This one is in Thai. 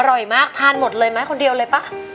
อร่อยมากทานหมดเลยไหมคนเดียวเลยป่ะ